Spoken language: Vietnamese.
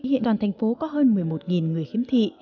hiện đoàn thành phố có hơn một mươi một người khiếm thị